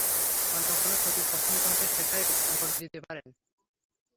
অন্য কোন ছবি পছন্দ হলে সেটাই ভোট দিতে পারেন।